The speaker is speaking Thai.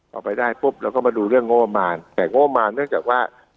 เอาไปได้ปุ๊บแล้วก็มาดูเรื่องโง่อมารแต่โง่อมารเนื่องจากว่า